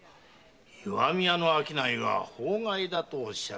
石見屋の商いは法外だとおっしゃるんで？